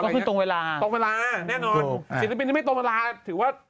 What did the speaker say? ก็ต้องตรงเวลาอะแน่นอนศิลปินที่ไม่ตรงเวลาถือว่า